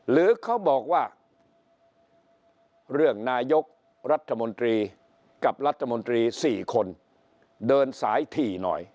หรือเขาบอกว่าเรื่องนายกรัฐมนตรีกับรัฐมนตรี๔คนเดินสายถี่หน่อย